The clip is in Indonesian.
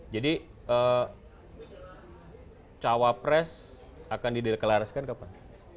jadi cawa pres akan dideklarasikan kapan